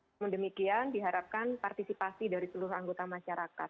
namun demikian diharapkan partisipasi dari seluruh anggota masyarakat